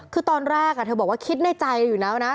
คือตอนแรกเธอบอกว่าคิดในใจอยู่แล้วนะ